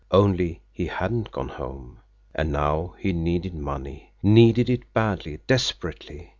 Only he hadn't gone home! And now he needed money needed it badly, desperately.